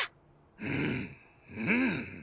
うんうん！